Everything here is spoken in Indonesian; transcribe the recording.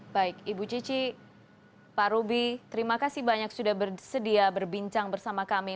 baik ibu cici pak ruby terima kasih banyak sudah bersedia berbincang bersama kami